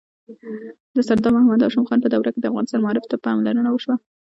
د سردار محمد هاشم خان په دوره کې د افغانستان معارف ته پاملرنه وشوه.